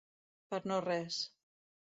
Per no res.